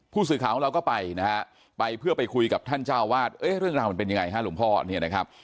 ผู้สื่อข่าวของเราก็ไปนะฮะไปเพื่อไปคุยกับท่านเจ้าวาดเอ๊ะเรื่องราวมันเป็นยังไงฮะหลวงพ่อเนี่ยนะครับ